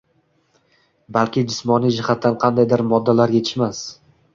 Balki jismoniy jihatdan qandaydir moddalar yetishmas?